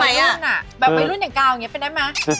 แบบวัยรุ่นอย่างกาวอย่างนี้เป็นได้ไหม